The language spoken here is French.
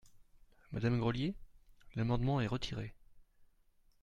Madame Grelier ? L’amendement est retiré.